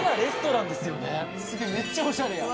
すげぇめっちゃおしゃれやん。